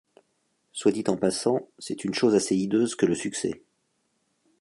Soit dit en passant, c’est une chose assez hideuse que le succès.